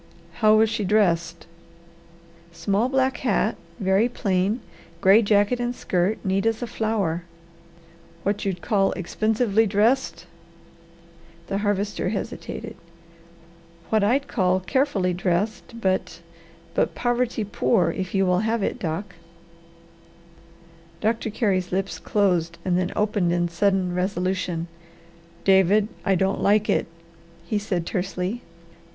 "How was she dressed?" "Small black hat, very plain. Gray jacket and skirt, neat as a flower." "What you'd call expensively dressed?" The Harvester hesitated. "What I'd call carefully dressed, but but poverty poor, if you will have it, Doc." Doctor Carey's lips closed and then opened in sudden resolution. "David, I don't like it," he said tersely.